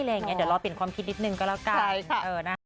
เดี๋ยวรอเปลี่ยนความคิดนิดนึงก็แล้วกัน